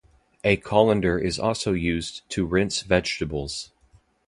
A colander is also used to rinse vegetables.